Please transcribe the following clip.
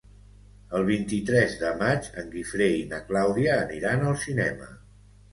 El vint-i-tres de maig en Guifré i na Clàudia aniran al cinema.